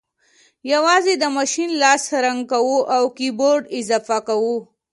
یوازې د ماشین لاس رنګ کوو او کیبورډ اضافه کوو